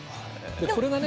これがね